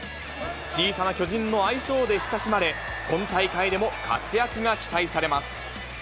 小さな巨人の愛称で親しまれ、今大会でも活躍が期待されます。